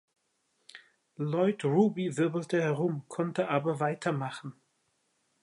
Lloyd Ruby wirbelte herum, konnte aber weitermachen.